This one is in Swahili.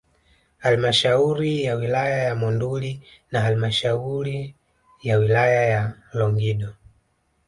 Halmashauri ya wilaya ya Monduli na halmashauri ya wilaya ya Longido